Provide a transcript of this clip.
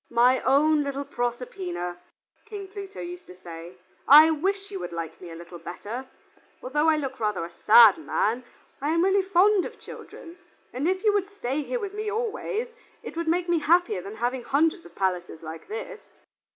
"My own little Proserpina," King Pluto used to say, "I wish you would like me a little better. Although I look rather a sad man, I am really fond of children, and if you would stay here with me always, it would make me happier than having hundreds of palaces like this."